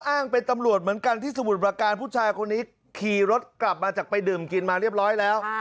อ้างเป็นตำรวจเหมือนกันที่สมุทรประการผู้ชายคนนี้ขี่รถกลับมาจากไปดื่มกินมาเรียบร้อยแล้ว